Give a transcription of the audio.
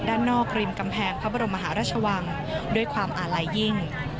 ด้านนอกริมกำแพงพระบรมมหาราชวังด้วยความอาลัยยิ่ง